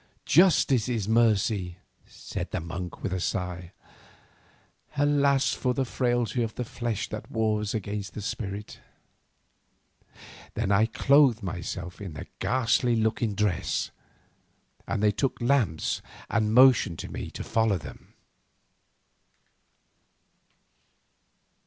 Justice is mercy," said the monk with a sigh. "Alas for the frailty of the flesh that wars against the spirit!" Then I clothed myself in the ghastly looking dress, and they took lamps and motioned to me to follow them.